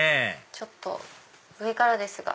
ちょっと上からですが。